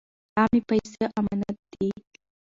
عامې پیسې امانت دي.